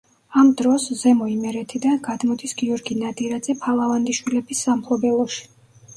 ამ დროს, ზემო იმერეთიდან, გადმოდის გიორგი ნადირაძე ფალავანდიშვილების სამფლობელოში.